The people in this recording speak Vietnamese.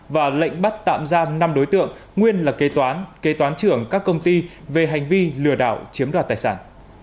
và lệnh bắt tạm giam năm đối tượng nguyên là kê toán kế toán trưởng các công ty về hành vi lừa đảo chiếm đoạt tài sản